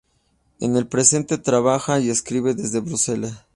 En el presente trabaja y escribe desde Bruselas.